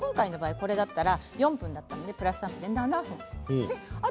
これだったら４分だったのでプラス３分で７分です。